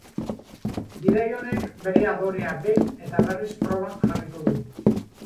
Bidai honek bere adorea behin eta berriz proban jarriko du.